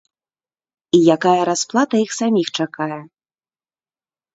І якая расплата іх саміх чакае.